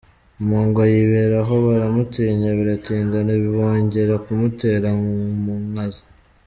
Mpongo yibera aho baramutinya biratinda, ntibongera kumutera mu nka ze.